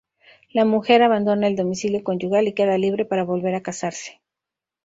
La mujer abandona el domicilio conyugal y queda libre para volver a casarse.